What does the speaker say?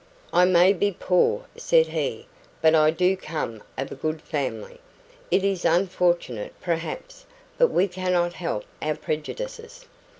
"I may be poor," said he, "but I do come of a good family. It is unfortunate, perhaps, but we cannot help our prejudices."